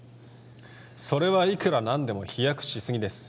それはいくらなんでも飛躍しすぎです